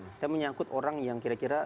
kita menyangkut orang yang kira kira